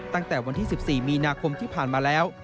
ตั้งแต่วันที่๑๔มีนาคมที่ผ่านมาแล้ว